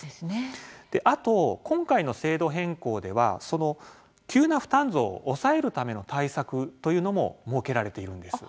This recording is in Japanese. あと、今回の制度変更ではその急な負担増を抑えるための対策というのも設けられているんです。